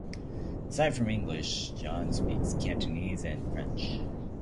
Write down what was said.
Aside from English, Yan speaks Cantonese and French.